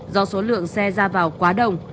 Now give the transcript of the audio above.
do số lượng xe ra vào quá đông